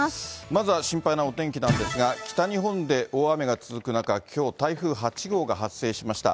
まずは心配なお天気なんですが、北日本で大雨が続く中、きょう、台風８号が発生しました。